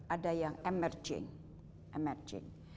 ada yang yang berkembang ada yang berkembang